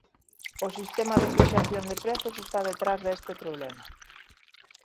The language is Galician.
O sistema de fixación de prezos está detrás deste problema.